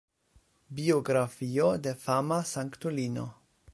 Biografio de fama sanktulino.